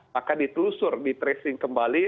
maka ditelusur ditracing kembali